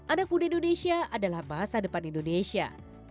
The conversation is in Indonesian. anak muda indonesia adalah masa depan indonesia